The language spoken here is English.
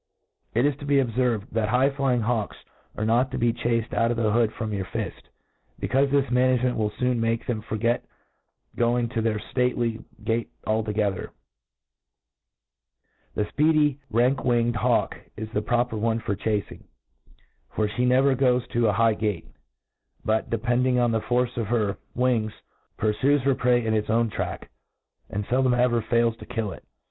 It is to be obferved, that high flying hawks are not to be chaced out of the hood from your fift, becaufe this management will foon make them forget going to their (lately gait altogether* The fpeedy rank winged hawk is the proper one fotchaeing ; for fhe never goes to a Wgh gait ; but, depending on the force of her MODERN FAULCONRY^ ijj her wings, purfues her prey in its own track, and feldom or ever fails to kill it.